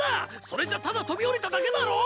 それじゃただ飛び降りただけだろ！